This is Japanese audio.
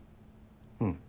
うん。